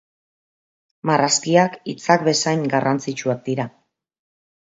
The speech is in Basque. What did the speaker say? Marrazkiak hitzak bezain garrantzitsuak dira.